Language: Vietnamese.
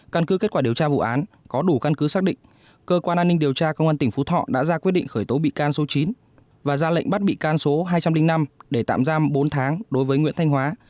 căn cứ kết quả điều tra vụ án có đủ căn cứ xác định cơ quan an ninh điều tra công an tỉnh phú thọ đã ra quyết định khởi tố bị can số chín và ra lệnh bắt bị can số hai trăm linh năm để tạm giam bốn tháng đối với nguyễn thanh hóa